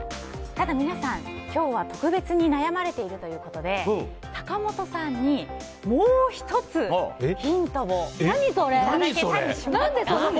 ただ皆さん、今日は特別に悩まれているということで坂本さんにもう１つヒントをいただけたりしますか。